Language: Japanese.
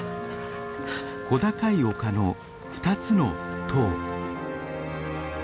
小高い丘の２つの塔。